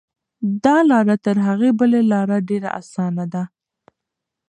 دا لاره تر هغې بلې لارې ډېره اسانه ده.